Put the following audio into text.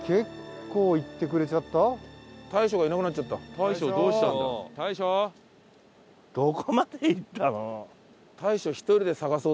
大昇どうしたんだろう？